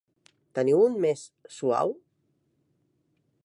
Teniu un més suau?